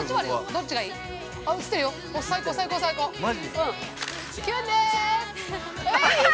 どっちがいい？